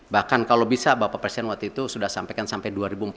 bahkan kalau bisa bapak presiden waktu itu sudah sampaikan sampai dua ribu empat belas